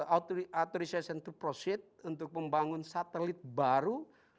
artisiasi untuk membangun satelit baru